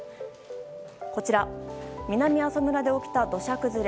こちら、南阿蘇村で起きた土砂崩れ。